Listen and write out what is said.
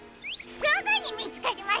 すぐにみつかりましたね。